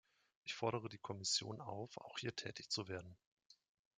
Ich fordere die Kommission auf, auch hier tätig zu werden.